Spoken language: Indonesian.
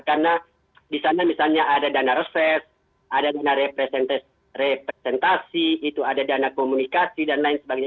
karena di sana misalnya ada dana resep ada dana representasi ada dana komunikasi dan lain sebagainya